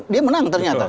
dia menang ternyata